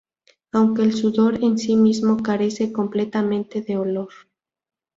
Aunque el sudor en sí mismo carece completamente de olor.